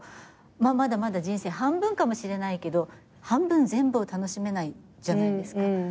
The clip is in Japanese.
まだまだ人生半分かもしれないけど半分全部を楽しめないじゃないですか。